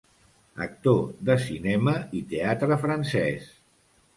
Actor de cinema i teatre francès.